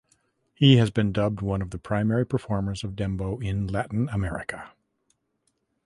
He has been dubbed one of the primary performers of dembow in Latin America.